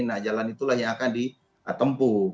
nah jalan itulah yang akan ditempuh